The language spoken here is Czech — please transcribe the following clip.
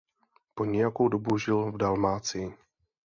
Po nějakou dobu žil v Dalmácii.